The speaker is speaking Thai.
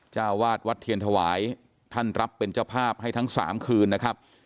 เจ้าวาดวัดเทียนถวายท่านรับเป็นเจ้าภาพให้ทั้ง๓คืนนะครับ